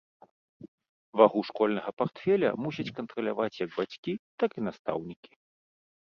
Вагу школьнага партфеля мусяць кантраляваць як бацькі, так і настаўнікі.